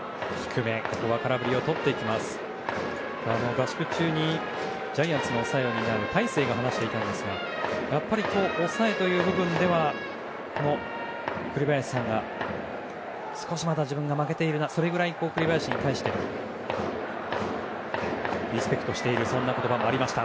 合宿中にジャイアンツの抑えを担う大勢が話していたんですがやっぱり抑えという部分では栗林さんに少しまだ自分が負けているなとそれぐらい栗林に対してリスペクトしているそんな言葉もありました。